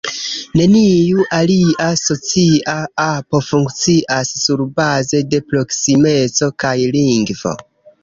Neniu alia socia apo funkcias surbaze de proksimeco kaj lingvo.